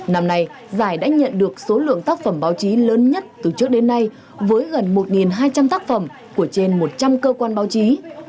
năm nay giải đã nhận được số lượng tác phẩm báo chí lớn nhất từ trước đến nay với gần một hai trăm linh tác phẩm của trên một trăm linh cơ quan báo chí